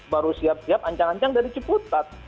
baru siap siap ancang ancang dari ciputat